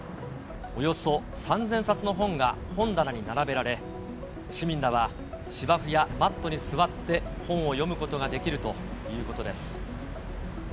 およそ３０００冊の本が本棚に並べられ、市民らは芝生やマットに座って本を読むことができるということです。